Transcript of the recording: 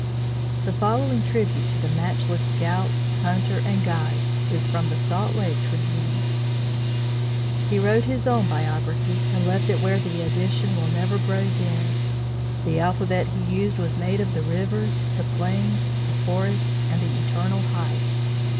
The following tribute to the matchless scout, hunter and guide is from the Salt Lake Tribune: He wrote his own biography and left it where the edition will never grow dim. The alphabet he used was made of the rivers, the plains, the forests, and the eternal heights.